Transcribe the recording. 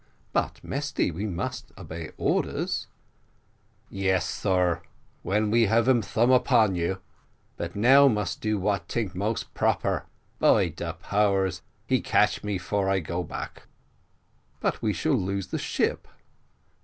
"But, Mesty, we must obey orders." "Yes, sar, when he have him thumb upon you; but now, must do what tink most proper. By de powers, he catch me 'fore I go back." "But we shall lose the ship."